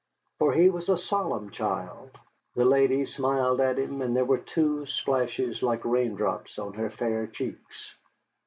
For he was a solemn child. The lady smiled at him, and there were two splashes like raindrops on her fair cheeks.